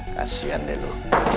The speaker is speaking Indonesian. kasian deh lo